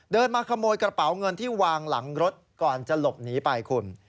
เดินมาขโมยกระเป๋าเงินที่วางหลังรถก่อนจะหลบหนีไปคุณ